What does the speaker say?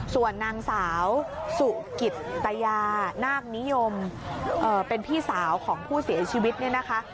ส่วนนางสาวสุกิตยานาคนิยมเป็นพี่สาวของผู้เสียชีวิตเนี่ยนะคะ